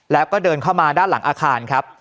แล้วก็เดินเข้ามาด้านหลังอาคารครับ